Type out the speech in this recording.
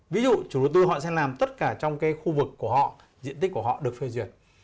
ví dụ chủ đầu tư họ sẽ làm tất cả trong cái khu vực của họ diện tích của họ được phê duyệt